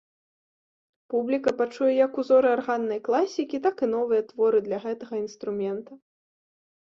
Публіка пачуе як узоры арганнай класікі, так і новыя творы для гэтага інструмента.